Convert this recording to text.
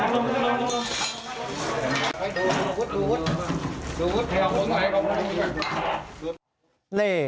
ขอบคุณครับ